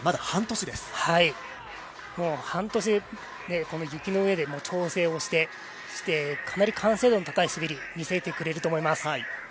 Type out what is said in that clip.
半年で雪の上で調整をしてかなり完成度の高い滑りを見せてくれると思います。